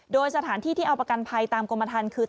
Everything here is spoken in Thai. โดยสถานที่ที่เอาประกันภัยตามกรมฐานคือ